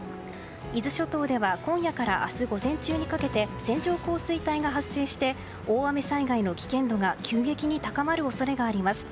伊豆諸島では今夜から明日午前中にかけて線状降水帯が発生して大雨災害の危険度が急激に高まる恐れがあります。